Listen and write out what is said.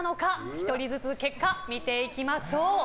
１人ずつ結果を見ていきましょう。